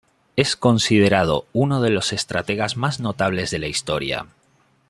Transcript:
Es considerado uno de los estrategas más notables de la historia.